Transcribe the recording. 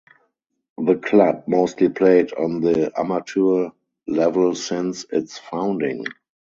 The club mostly played on the amateur level since its founding.